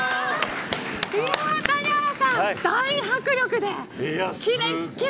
谷原さん、大迫力でキレッキレ。